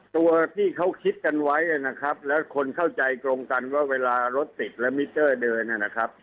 ตัวที่เขาคิดกันไว้นะครับแล้วคนเข้าใจตรงกันว่าเวลารถติดแล้วมิเตอร์เดินนะครับ